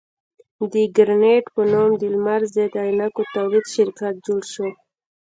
د ګرېنټ په نوم د لمر ضد عینکو تولید شرکت جوړ شو.